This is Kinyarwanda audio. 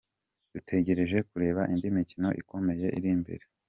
Dutegereje kureba indi mikino ikomeye iri imbere.